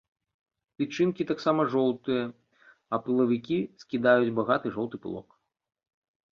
Тычынкі таксама жоўтыя, а пылавікі скідаюць багаты жоўты пылок.